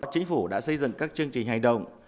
chính phủ đã xây dựng các chương trình hành động